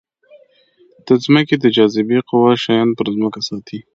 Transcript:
د ځمکې د جاذبې قوه شیان پر ځمکې ساتي.